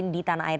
di tanah air